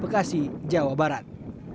kasi jawa barat